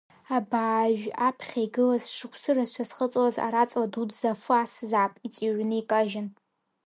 Абаажә аԥхьа игылаз, шықәсырацәа зхыҵуаз араҵла дуӡӡа афы асзаап, иҵыҩрны икажьын.